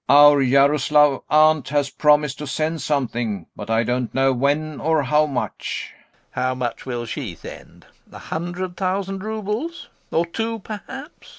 GAEV. Our Yaroslav aunt has promised to send something, but I don't know when or how much. LOPAKHIN. How much will she send? A hundred thousand roubles? Or two, perhaps?